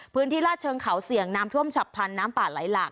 ลาดเชิงเขาเสี่ยงน้ำท่วมฉับพลันน้ำป่าไหลหลาก